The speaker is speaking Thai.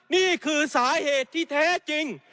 นี่คือสาเหตุที่แท้จริง